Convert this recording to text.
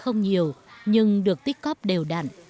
không nhiều nhưng được tích góp đều đẳn